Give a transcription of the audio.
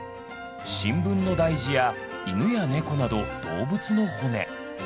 新聞の題字や犬や猫など動物の骨。